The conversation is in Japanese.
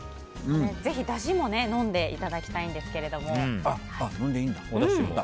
ぜひだしも飲んでいただきたいんですけれども。